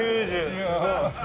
すごい！